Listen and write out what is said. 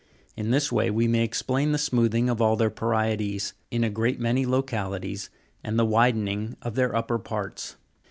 In this way we may explain the smoothing of all their parietes, in a great many localities, and the widening of their upper parts.